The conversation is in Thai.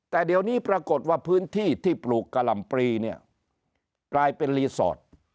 แต่เดี๋ยวนี้ปรากฏว่าพื้นที่ที่ปลูกกะหล่ำปรีเนี่ยกลายเป็นรีสอร์ท